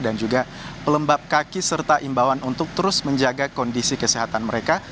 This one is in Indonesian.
dan juga pelembab kaki serta imbauan untuk terus menjaga kondisi kesehatan mereka